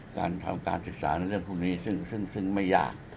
การทำการศึกษาในเรื่องพวกนี้ซึ่งไม่ยาก